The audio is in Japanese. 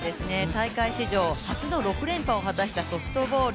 大会史上初の６連覇を果たしたソフトボール。